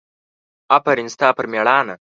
افرین ستا پر مېړانه!